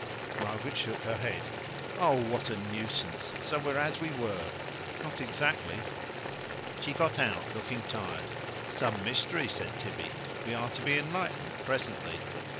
Margaret shook her head. "Oh, what a nuisance! So we're as we were?" "Not exactly." She got out, looking tired. "Some mystery," said Tibby. "We are to be enlightened presently."